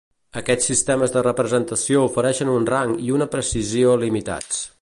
Aquests sistemes de representació ofereixen un rang i una precisió limitats.